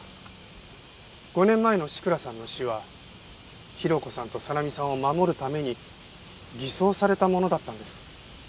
５年前の志倉さんの死は寛子さんとさなみさんを守るために偽装されたものだったんです。